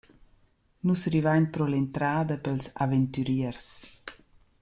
Nus rivain pro l’entrada pels «aventüriers».